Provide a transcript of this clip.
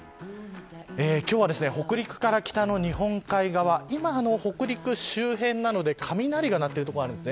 今日は、北陸から北の日本海側今、北陸周辺なので雷が鳴ってる所があります。